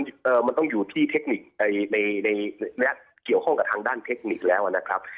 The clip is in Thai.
มันต้องอยู่ที่เทคนิคในในเกี่ยวข้องกับทางด้านเทคนิคแล้วนะครับ